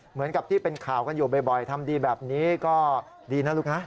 เหมือนกับที่เป็นข่าวกันอยู่บ่อยทำดีแบบนี้ก็ดีนะลูกนะ